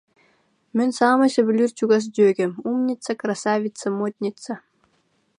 Мин саамай сөбүлүүр, чугас дьүөгэм, умница, красавица, модница